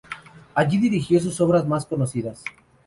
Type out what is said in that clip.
Allí dirigió sus obras más conocidas.